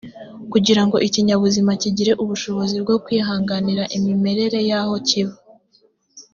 kugirango ikinyabuzima kigire ubushobozi bwo kwihanganira imimerere y’aho kiba